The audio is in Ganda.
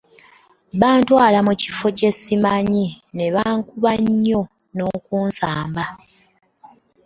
Bantwala mu kifo kye ssimanyi ne bankuba nnyo n'okunsamba.